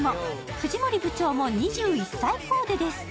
藤森部長も２１歳コーデです。